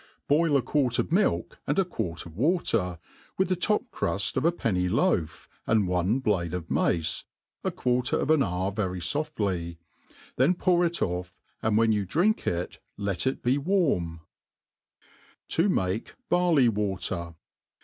BOIL a quart of milk, and a quart of water, wi(h the top* cruft of a penoy Ioaf, and one blade of mace, a quarter of aa hour very foftly, then pour it o^^ and when you drink it let it be wariDf fi make Barhj Water.